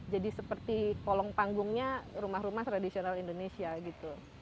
jadi seperti kolong panggungnya rumah rumah tradisional indonesia gitu